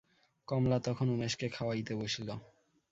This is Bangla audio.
কমলা তখন উমেশকে খাওয়াইতে বসিল।